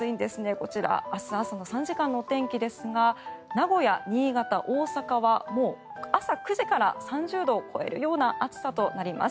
こちら、明日朝の３時間のお天気ですが名古屋、新潟、大阪はもう朝９時から３０度を超えるような暑さとなります。